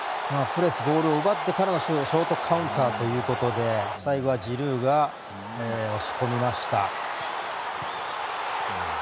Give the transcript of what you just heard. プレスでボールを奪ってからのショートカウンターということで最後はジルーが押し込みました。